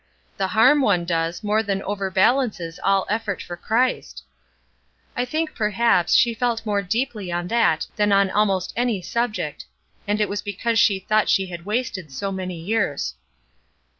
The harm one does, more than overbalances all effort for Christ.' I think, perhaps, she felt more deeply on that than on almost any subject; and it was because she thought she had wasted so many years."